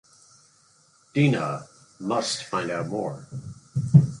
Dinah must find out more.